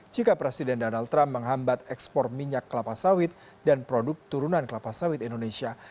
jika presiden donald trump menghambat ekspor minyak kelapa sawit dan produk turunan kelapa sawit indonesia